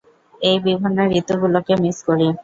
এই বিভিন্ন ঋতুগুলোকে মিস করি।